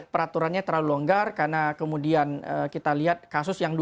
peraturannya terlalu longgar karena kemudian kita lihat kasus yang dua